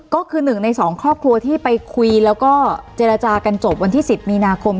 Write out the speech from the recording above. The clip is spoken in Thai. ก็คือหนึ่งในสองครอบครัวที่ไปคุยแล้วก็เจรจากันจบวันที่๑๐มีนาคม